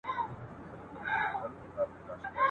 کله له واورو او له یخنیو !.